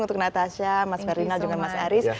untuk natasha mas ferdinand juga mas aris